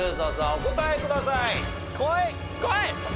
お答えください。